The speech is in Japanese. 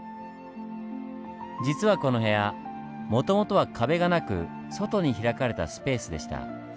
実はこの部屋もともとは壁がなく外に開かれたスペースでした。